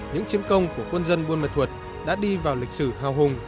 những chiếm công của quân dân bươn mặt thuật đã đi vào lịch sử hào hùng